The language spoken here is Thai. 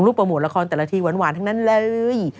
โปรโมทละครแต่ละทีหวานทั้งนั้นเลย